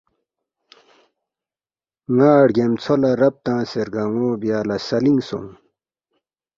نا ڑگیامژھو لا رب تنگسے رگنو بیا لاسلینگ سونگ